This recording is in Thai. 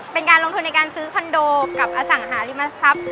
เป็นการลงทุนในการซื้อคอนโดกับอสังหาริมทรัพย์